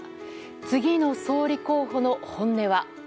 次の総理候補の本音は。